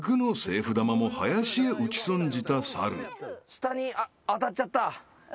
下に当たっちゃった。